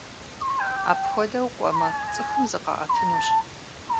Апхуэдэу кӏуэмэ, цӏыхум зыкъаӏэтынущ.